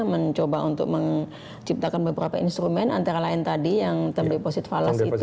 mencoba untuk menciptakan beberapa instrument antara lain tadi yang term deposit fallacy itu